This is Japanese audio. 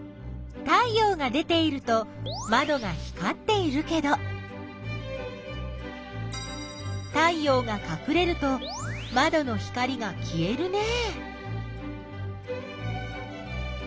太陽が出ているとまどが光っているけど太陽がかくれるとまどの光がきえるね。